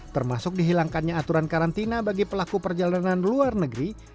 termasuk dihilangkannya aturan karantina bagi pelaku perjalanan luar negeri